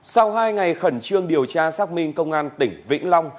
sau hai ngày khẩn trương điều tra xác minh công an tỉnh vĩnh long